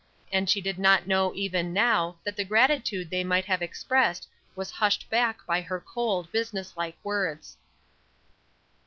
And she did not know even now that the gratitude they might have expressed was hushed back by her cold, business like words.